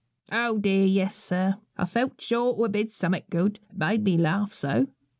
'O dear, yes, sir; I felt sure it would be summat good, it made me laugh so.